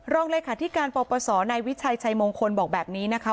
ลองเลยค่ะที่การปปสในวิชัยชัยมงคลบอกแบบนี้นะคะ